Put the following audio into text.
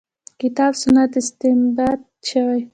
کتاب سنت استنباط شوې.